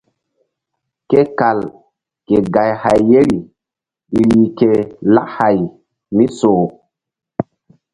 Ke kal ke gay hay ye ri rih ke lak hay mi soh.